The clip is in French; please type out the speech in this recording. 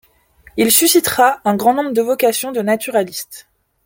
Il suscitera un grand nombre de vocations de naturaliste.